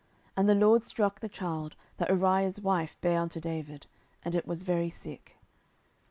And the LORD struck the child that Uriah's wife bare unto David, and it was very sick.